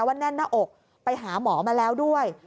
แน่นหน้าอกไปหาหมอมาแล้วด้วย